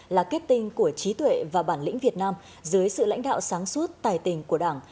là kết tinh của trí tuệ và bản lĩnh việt nam dưới sự lãnh đạo sáng suốt tài tình của đảng